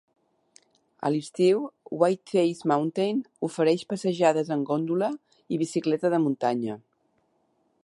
A l'estiu, Whiteface Mountain ofereix passejades en gòndola i bicicleta de muntanya.